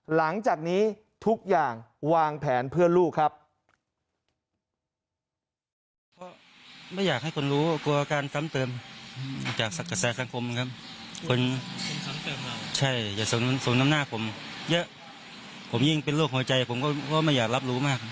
หลังจากนี้ทุกอย่างวางแผนเพื่อลูกครับ